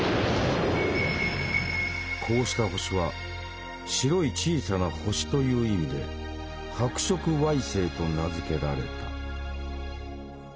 こうした星は「白い小さな星」という意味で「白色矮星」と名付けられた。